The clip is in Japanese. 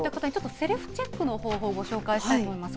セルフチェックの方法、ご紹介したいと思います。